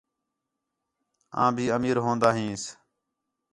آن بھی امیر ہون٘دا ہینس